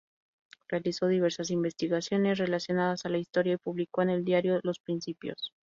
Realizó diversas investigaciones relacionadas a la historia y publicó en el diario "Los Principios".